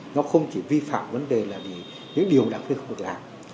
nó không chỉ vi phạm vấn đề là những điều đảng thấy không được làm